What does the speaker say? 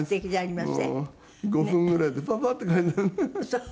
そう。